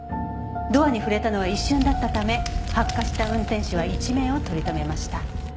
ドアに触れたのは一瞬だったため発火した運転手は一命を取り留めました。